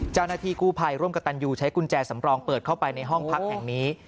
เจ้าหน้าที่กู้ภัยร่วมกับตันยูใช้กุญแจสำรองเปิดเข้าไปในห้องพักแห่งนี้